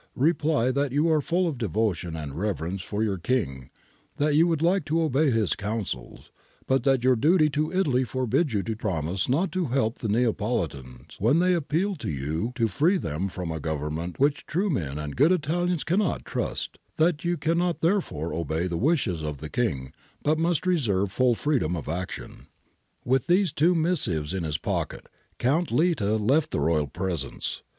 Reply that you are full of devotion and reverence for your King, that you would like to obey his counsels, but that your duty to Italy forbids you to promise not to help the Neapolitans, when they appeal to you to free them from a Government which true men and good Italians cannot trust : that )ou cannot therefore obey the wishes of the King, but must reserve full freedom of action.' With these two missives in his pocket, Count Litta left the royal presence.